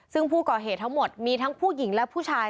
ซึ่งผู้ก่อเหตุทั้งหมดมีทั้งผู้หญิงและผู้ชาย